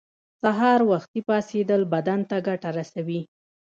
سهار وختی پاڅیدل بدن ته ګټه رسوی